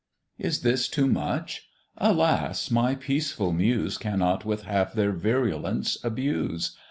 Is this too much? Alas! my peaceful Muse Cannot with half their virulence abuse.